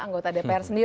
anggota dpr sendiri